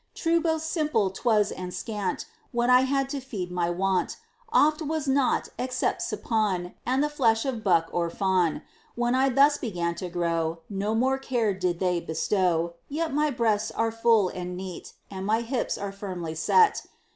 True both simple 'twas and scant, What I had to feed my want. Oft 'twas naught except Sapawn And the flesh of buck or fawn. When I thus began to grow, No more care did they bestow, Yet my breasts are full and neat, And my hips are firmly set.